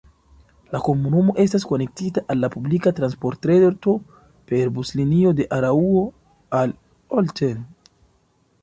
La komunumo estas konektita al la publika transportreto per buslinio de Araŭo al Olten.